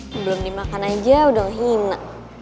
belum dimakan aja udah ngehina